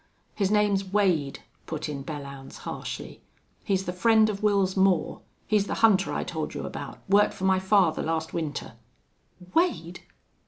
"His name's Wade," put in Belllounds, harshly. "He's the friend of Wils Moore. He's the hunter I told you about worked for my father last winter." "Wade?...